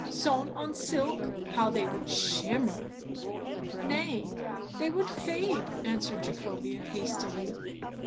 Sewn on silk how they would shimmer !"" Nay, they would fade," answered Jacobea hastily.